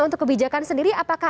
untuk kebijakan untuk diri bagaimana